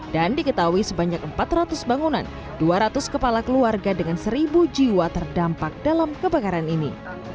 dan diketahui sebanyak empat ratus bangunan dua ratus kepala keluarga dengan seribu jiwa terdampak dalam kebakaran ini